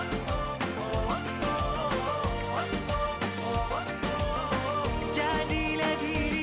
ingin diriku jadi seperti mereka